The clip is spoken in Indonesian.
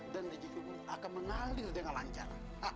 dan dijikimu akan menalir dengan lancar